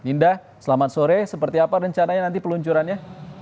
minda selamat sore seperti apa rencananya nanti peluncurannya